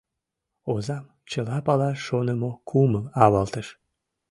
Озам чыла палаш шонымо кумыл авалтыш.